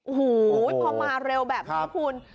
โอ้โหพอมาเร็วแบบนี้คุณ